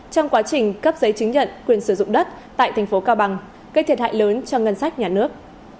trong quá trình cấp giấy chứng nhận quyền sử dụng đất tại tp hcm gây thiệt hại lớn cho ngân sách nhà nước